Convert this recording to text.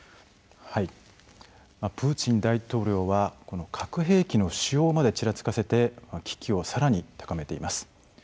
プーチン大統領は核兵器の使用までちらつかせて危機をさらに高めています。